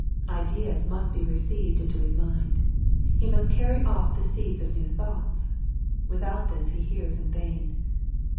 Ideas must be received into his mind. He must carry off the seeds of new thoughts. Without this he hears in vain.